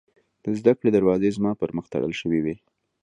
د زدکړې دروازې زما پر مخ تړل شوې وې